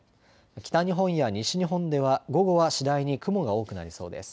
北日本や西日本では午後は次第に雲が多くなりそうです。